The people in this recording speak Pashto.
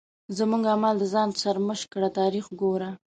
زموږ اعمال د ځان سرمشق کړه تاریخ ګوره.